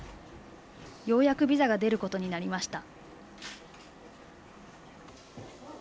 ようやくビザが出ることになりました。